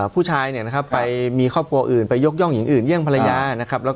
ผู้ชายไปมีครอบครัวอื่นไปยกย่องอย่างอื่นเยี่ยงภรรยานะครับ